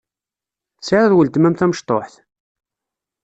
Tesɛiḍ weltma-m tamecṭuḥt?